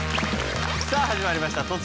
さあ始まりました